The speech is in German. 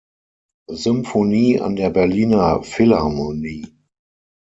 Symphonie an der Berliner Philharmonie.